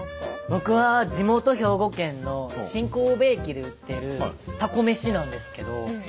僕は地元兵庫県の新神戸駅で売ってるたこ飯なんですけど。